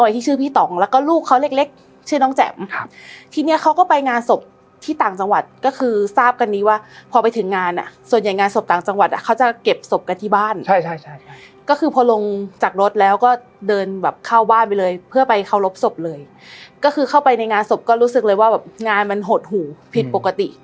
ที่ชื่อพี่ต่องแล้วก็ลูกเขาเล็กเล็กชื่อน้องแจ๋มครับทีเนี้ยเขาก็ไปงานศพที่ต่างจังหวัดก็คือทราบกันนี้ว่าพอไปถึงงานอ่ะส่วนใหญ่งานศพต่างจังหวัดอ่ะเขาจะเก็บศพกันที่บ้านใช่ใช่ก็คือพอลงจากรถแล้วก็เดินแบบเข้าบ้านไปเลยเพื่อไปเคารพศพเลยก็คือเข้าไปในงานศพก็รู้สึกเลยว่าแบบงานมันหดหูผิดปกติ